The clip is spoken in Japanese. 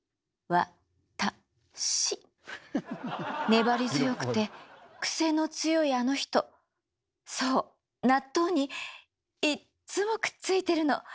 粘り強くてクセの強いあの人そう納豆にいっつもくっついてるの。